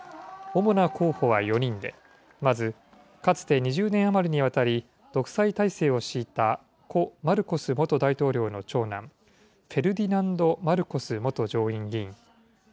主な候補は４人で、まず、かつて２０年余りにわたり、独裁体制を敷いた故・マルコス元大統領の長男、フェルディナンド・マルコス元上院議員。